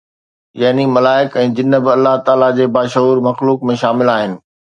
يعني ملائڪ ۽ جن به الله تعاليٰ جي باشعور مخلوق ۾ شامل آهن